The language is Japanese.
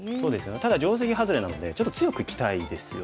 ただ定石ハズレなのでちょっと強くいきたいですよね。